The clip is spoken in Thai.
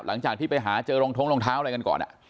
หลังจากที่ไปหาเจอรองท้องรองเท้าอะไรกันก่อน